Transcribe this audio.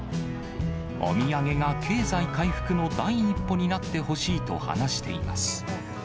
お土産が経済回復の第一歩になってほしいと話しています。